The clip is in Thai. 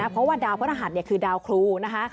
เพราะว่าดาวพระรหัสคือดาวครูนะคะ